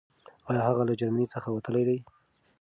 آيا هغه له جرمني څخه وتلی دی؟